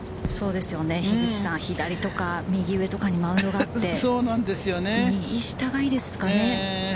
左とか右上とかにマウンドがあって、右下がいいですかね。